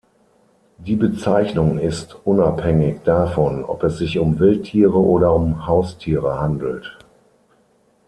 Die Bezeichnung ist unabhängig davon, ob es sich um Wildtiere oder um Haustiere handelt.